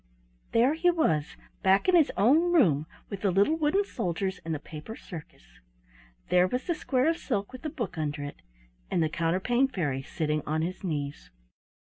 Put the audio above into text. There he was, back in his own room with the little wooden soldiers and the paper circus. There was the square of silk with the book under it, and the Counterpane Fairy sitting on his knees.